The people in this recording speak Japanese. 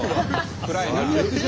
暗いな。